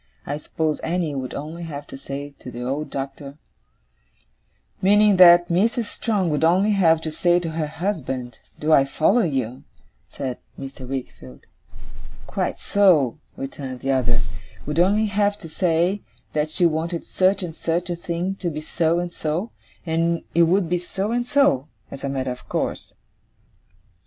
I suppose Annie would only have to say to the old Doctor ' 'Meaning that Mrs. Strong would only have to say to her husband do I follow you?' said Mr. Wickfield. 'Quite so,' returned the other, ' would only have to say, that she wanted such and such a thing to be so and so; and it would be so and so, as a matter of course.